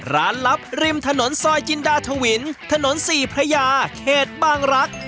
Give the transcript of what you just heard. ลับริมถนนซอยจินดาทวินถนนสี่พระยาเขตบางรัก